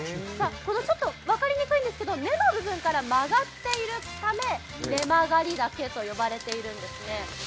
分かりにくいんですけど根の部分から曲がっているためネマガリダケと呼ばれているんですね。